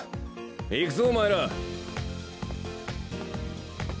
いくぞお前ら！